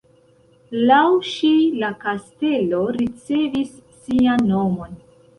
Laŭ ŝi la kastelo ricevis sian nomon.